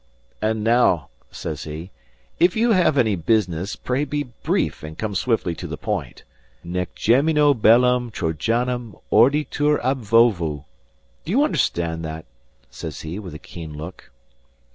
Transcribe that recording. "And now," says he, "if you have any business, pray be brief and come swiftly to the point. Nec gemino bellum Trojanum orditur ab ovo do you understand that?" says he, with a keen look.